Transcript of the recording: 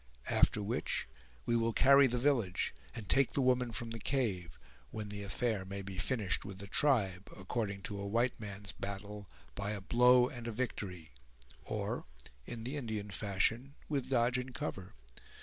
After which, we will carry the village, and take the woman from the cave; when the affair may be finished with the tribe, according to a white man's battle, by a blow and a victory; or, in the Indian fashion, with dodge and cover.